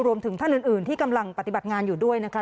รวมถึงท่านอื่นที่กำลังปฏิบัติงานอยู่ด้วยนะคะ